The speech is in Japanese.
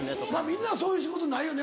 みんなそういう仕事ないよね？